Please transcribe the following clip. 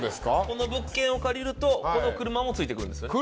この物件を借りるとこの車もついてくるんですよ。